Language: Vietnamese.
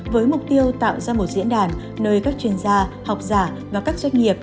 với mục tiêu tạo ra một diễn đàn nơi các chuyên gia học giả và các doanh nghiệp